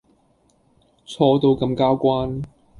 錯到咁交關